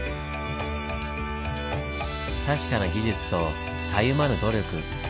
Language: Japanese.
確かな技術とたゆまぬ努力。